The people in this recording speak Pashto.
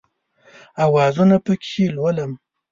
اوازونه پکښې لولم